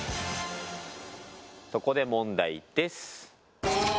そこで問題です。